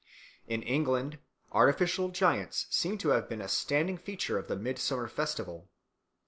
In England artificial giants seem to have been a standing feature of the midsummer festival.